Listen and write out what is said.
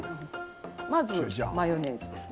まず、マヨネーズです